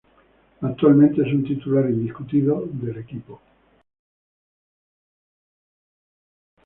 Actualmente es un titular indiscutido del equipo.